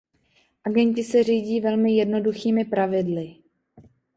Agenti se řídí velmi jednoduchými pravidly.